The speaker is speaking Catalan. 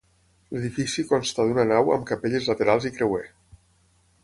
L'edifici consta d'una nau, amb capelles laterals i creuer.